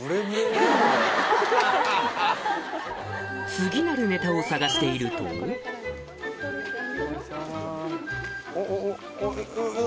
次なるネタを探しているとおっおっ何？